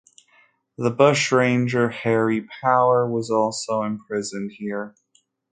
The bushranger Harry Power was also imprisoned here.